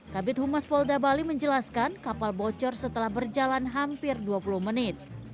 kabit humas polda bali menjelaskan kapal bocor setelah berjalan hampir dua puluh menit